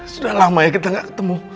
sudah lama ya kita gak ketemu